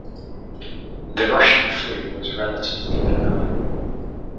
The Russian flu was relatively benign.